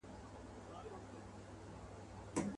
هر یوه ته مي جلا کړی وصیت دی.